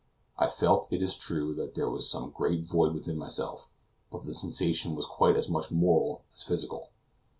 I felt, it is true, that there was some great void within myself, but the sensation was quite as much moral as physical.